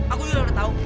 aku udah tau